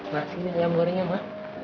masih ada ayam goreng ya ma